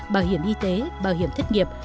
bảo hiểm y tế bảo hiểm thất nghiệp